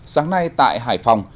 sáng nay tại hải phòng